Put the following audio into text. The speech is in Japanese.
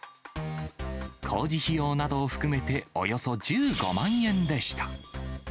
工事費用などを含めておよそ１５万円でした。